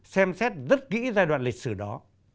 xem xét rất kỹ giai đoạn lịch sử đó